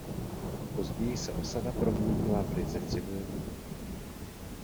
Později se osada proměnila v ryze civilní.